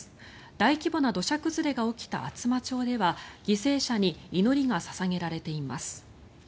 大規模な土砂崩れが起きた厚真町では犠牲者に祈りが捧げられています。